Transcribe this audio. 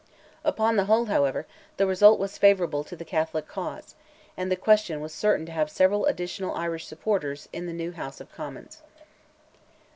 Upon the whole, however, the result was favourable to the Catholic cause, and the question was certain to have several additional Irish supporters in the new House of Commons.